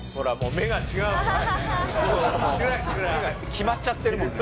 目がキマっちゃってるもんね。